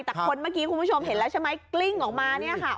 แต่คนเมื่อกี้คุณผู้ชมเห็นแล้วใช่ไหมกลิ้งออกมาเนี่ยค่ะ